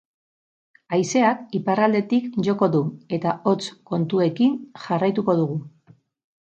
Haizeak iparraldetik joko du eta hotz kontuekin jarraituko dugu.